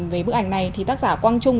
với bức ảnh này thì tác giả quang trung